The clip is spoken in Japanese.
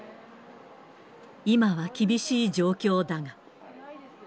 今は厳しい状況だが。